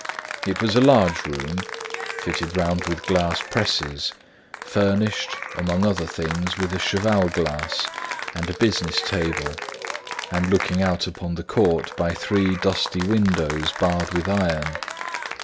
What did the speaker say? It was a large room fitted round with glass presses, furnished, among other things, with a cheval glass and a business table, and looking out upon the court by three dusty windows barred with iron.